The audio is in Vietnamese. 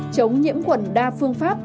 chống nhiễm quẩn đa phương pháp